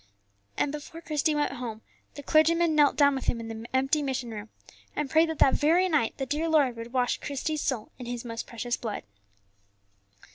And before Christie went home the clergyman knelt down with him in the empty mission room, and prayed that that very night the dear Lord would wash Christie's soul in His most precious blood.